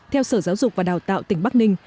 theo sở giáo dục và đào tạo tỉnh bắc ninh